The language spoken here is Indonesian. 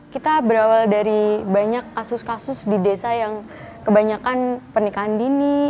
kita berawal dari banyak kasus kasus di desa yang kebanyakan pernikahan dini